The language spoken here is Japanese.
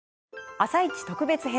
「あさイチ」特別編。